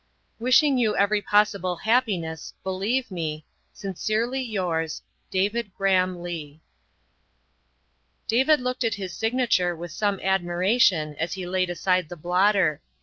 " Wishing you every possible happiness, believe me " Sincerely yours, " DAVID GBAIIAM LEIGH." David looked at his signature with some admiration as he laid aside the blotter.